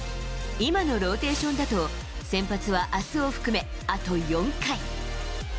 今のローテーションだと、先発はあすを含め、あと４回。